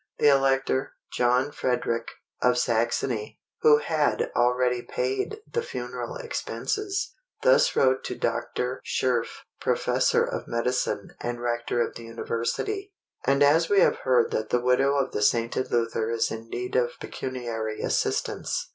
The Elector, John Frederick, of Saxony, who had already paid the funeral expenses, thus wrote to Dr. Schurf, Professor of Medicine and Rector of the University: "And as we have heard that the widow of the sainted Luther is in need of pecuniary assistance